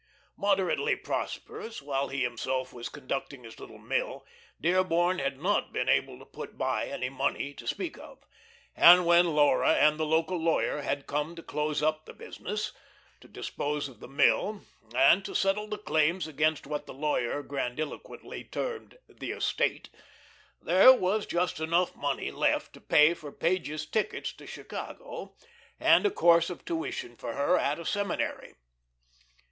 Moderately prosperous while he himself was conducting his little mill, Dearborn had not been able to put by any money to speak of, and when Laura and the local lawyer had come to close up the business, to dispose of the mill, and to settle the claims against what the lawyer grandiloquently termed "the estate," there was just enough money left to pay for Page's tickets to Chicago and a course of tuition for her at a seminary.